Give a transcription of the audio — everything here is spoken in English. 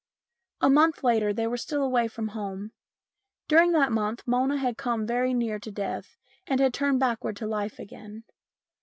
A month later they were still away from home. During that month Mona had come very near to death and had turned backward to life again.